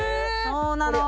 そうなの。